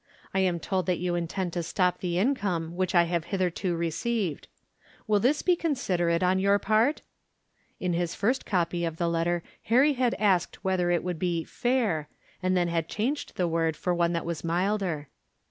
I am told that you intend to stop the income which I have hitherto received. Will this be considerate on your part?" (In his first copy of the letter Harry had asked whether it would be "fair," and had then changed the word for one that was milder.)